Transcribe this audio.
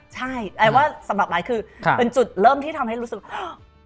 ใช่ไอซ์ว่าสำหรับไอซ์คือเป็นจุดเริ่มที่ทำให้รู้สึกว่า